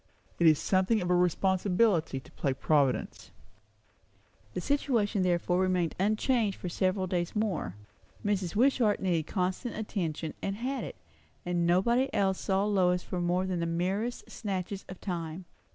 It is something of a responsibility to play Providence." The situation therefore remained unchanged for several days more. Mrs. Wishart needed constant attention, and had it; and nobody else saw Lois for more than the merest snatches of time.